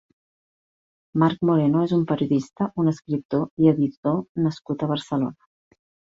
Marc Moreno és un periodista, un escriptor i editor nascut a Barcelona.